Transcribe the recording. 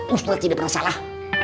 ustadz tidak pernah salah